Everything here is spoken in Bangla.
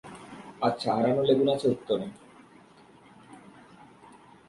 আচ্ছা, হারানো লেগুন আছে উত্তরে।